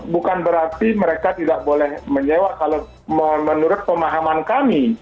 bukan berarti mereka tidak boleh menyewa kalau menurut pemahaman kami